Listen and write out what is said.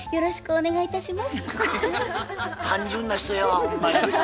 よろしくお願いします。